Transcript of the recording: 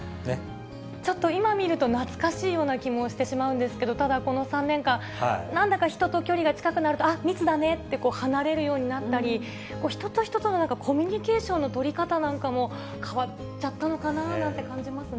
ちょっと今見ると、懐かしいような気もしてしまうんですけど、ただこの３年間、なんだか人と距離が近くなると、あっ、密だねって、離れるようになったり、人と人とのコミュニケーションの取り方なんかも変わっちゃったのかななんて感じますね。